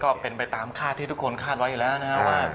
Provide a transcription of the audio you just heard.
ก็เป็นไปตามคาดที่ทุกคนคาดไว้อยู่แล้วนะครับว่า